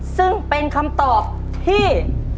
ซึ่งเป็นคำตอบที่